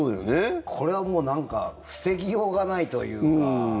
これはもう防ぎようがないというか。